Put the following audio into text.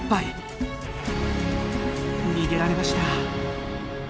逃げられました。